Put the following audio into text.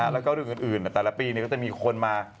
แล้วก็เรื่องอื่นแต่ละปีก็จะมีคนมา